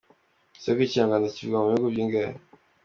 Ese koko ikinyarwanda kivugwa mubihugu bingahe?